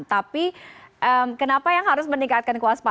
tapi kenapa yang harus meningkatkan kewaspada